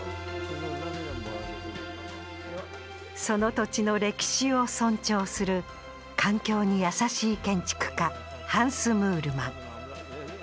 その土地の歴史を尊重する環境に優しい建築家ハンス・ムールマン。